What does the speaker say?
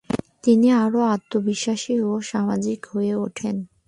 তিনি আরও আত্মবিশ্বাসী ও সামাজিক হয়ে ওঠেন।